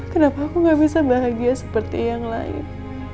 kenapa aku gak bisa bahagia seperti yang lain